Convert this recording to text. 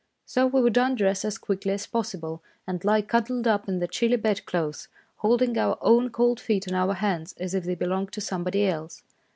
So we would undress as quickly as possible, and lie cuddled up in the chilly bed clothes, holding our own cold feet in our hands as if they belonged to somebody else.